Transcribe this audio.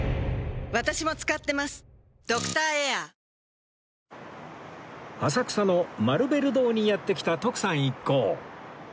ニトリ浅草のマルベル堂にやって来た徳さん一行